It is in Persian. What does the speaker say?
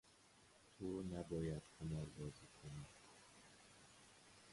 تو نباید قماربازی کنی.